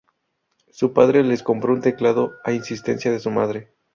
Su padre les compró un teclado a insistencia de su madre.